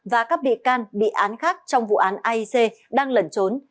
và các bị can bị án khác trong vụ án aic đang lẩn trốn